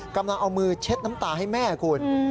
กำลังเอามือเช็ดน้ำตาให้แม่คุณ